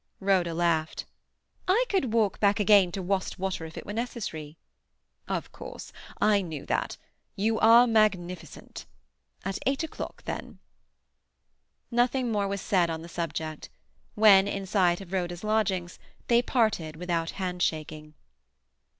Rhoda laughed. "I could walk back again to Wastwater if it were necessary." "Of course; I knew that. You are magnificent. At eight o'clock then—" Nothing more was said on the subject. When in sight of Rhoda's lodgings they parted without hand shaking.